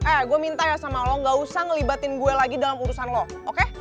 eh gue minta ya sama lo gak usah ngelibatin gue lagi dalam urusan lo oke